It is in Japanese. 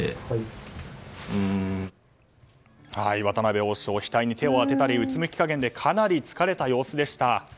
渡辺王将、額に手を当てたりうつむき加減でかなり疲れた様子でした。